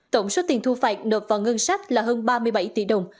tổng số tiền thu phạt nộp vào ngân sách là hơn ba mươi bảy tỷ đồng